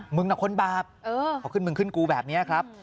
มึงนะคนบาปเขาขึ้นมึงขึ้นกูแบบนี้ครับ